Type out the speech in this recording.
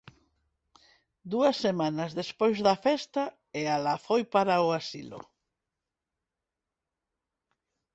_Dúas semanas despois da festa, e alá foi para o asilo.